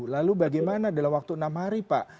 lalu bagaimana dalam waktu enam hari pak